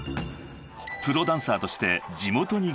［プロダンサーとして地元に凱旋］